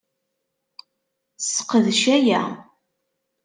Sseqdec aya.